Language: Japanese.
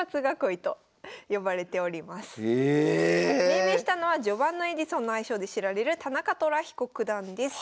命名したのは「序盤のエジソン」の愛称で知られる田中寅彦九段です。